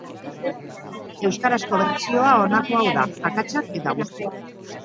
Euskarazko bertsioa honako hau da, akatsak eta guzti.